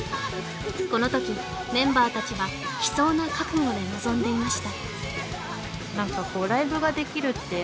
この時メンバーたちは悲壮な覚悟で臨んでいました